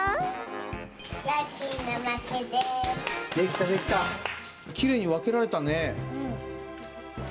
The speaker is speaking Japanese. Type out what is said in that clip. きれいにわけられたね。